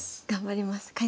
頑張ります。